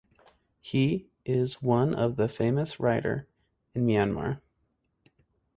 He is one of the famous writer in Myanmar.